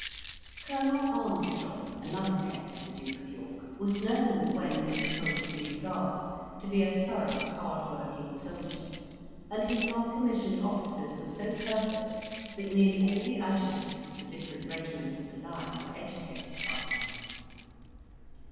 Colonel Armstrong, another pet of the Duke of York, was known, when in the Coldstream Guards, to be a thorough hard working soldier, and his non commissioned officers were so perfect, that nearly all the adjutants of the different regiments of the line were educated by him.